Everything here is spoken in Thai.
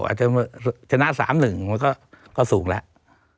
อาจจะชนะ๓๑มันก็สูงแล้ว